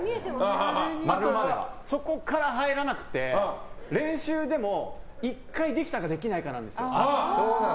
あとはそこから入らなくて練習でも、１回できたかできないかなんですよ。